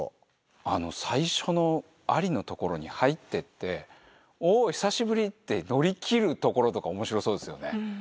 あの最初のアリの所に入ってって、おー、ひさしぶりって乗り切るところとか、おもしろそうですよね。